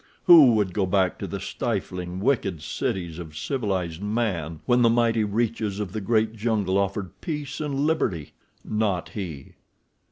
Who would go back to the stifling, wicked cities of civilized man when the mighty reaches of the great jungle offered peace and liberty? Not he.